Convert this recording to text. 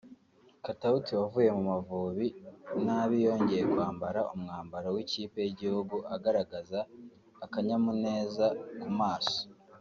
Katauti wavuye mu Mavubi nabi yongeye kwambara umwambaro w’ikipe y’igihugu agaragaza akanyamuneza ku maso